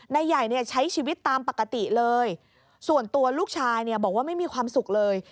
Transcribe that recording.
นายใหญ่เนี่ยใช้ชีวิตตามปกติเลยส่วนตัวลูกชายเนี่ยบอกว่าไม่มีความสุขเลย